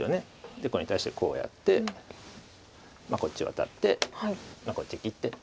でこれに対してこうやってこっちをワタってこっち切って。